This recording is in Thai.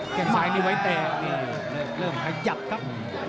แค่งซ้ายนี่ไว้เตะเริ่มขยับครับ